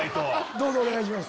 どうぞお願いします。